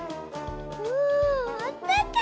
ああったかい！